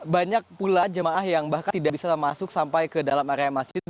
banyak pula jemaah yang bahkan tidak bisa masuk sampai ke dalam area masjid